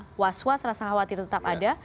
tapi bagaimanapun rasa was was rasa khawatir tetap ada